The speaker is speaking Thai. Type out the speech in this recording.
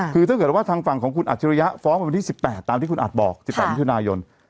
คือถ้าเกิดว่าทางฝั่งของคุณอัจฉริยะฟ้องไปวันที่๑๘ตามที่คุณอัดบอก๑๘มิถุนายน